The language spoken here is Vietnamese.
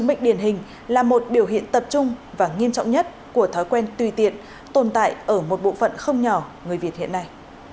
bệnh điển hình là một biểu hiện tập trung và nghiêm trọng nhất của thói quen tùy tiện tồn tại ở một bộ phận không nhỏ người việt hiện nay